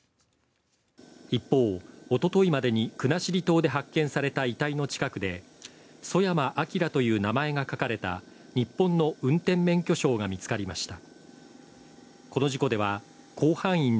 一方、おとといまで国後島で発見された遺体の近くでソヤマアキラという名前が書かれた日本の運転免許証が見つかりました。